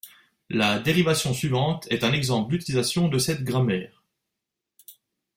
La dérivation suivante est un exemple d'utilisation de cette grammaire.